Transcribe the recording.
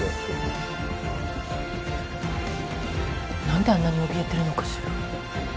何であんなにおびえてるのかしら。